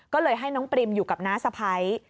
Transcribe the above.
ก็เลยให้น้องปริมอยู่กับน้าสะพ้าย